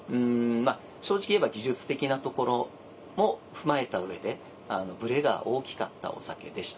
正直言えば技術的なところも踏まえた上でブレが大きかったお酒でした。